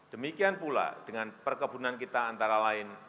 demikian pula dengan perkebunan kita antara lain